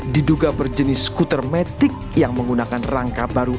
diduga berjenis skuter metik yang menggunakan rangka baru